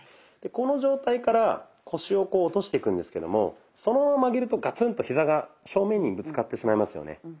この状態から腰をこう落としていくんですけどもそのまま曲げるとガツンとヒザが正面にぶつかってしまいますよね。